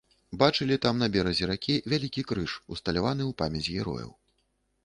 Бачылі там на беразе ракі вялікі крыж, усталяваны ў памяць герояў.